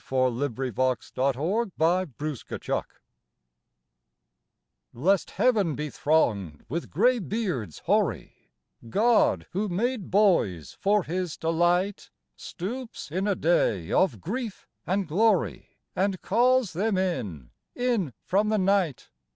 54 FLOWER OF YOUTH FLOWER OF YOUTH LEST Heaven be thronged with grey beards hoary, God, who made boys for His delight, Stoops in a day of grief and glory And calls them in, in from the night.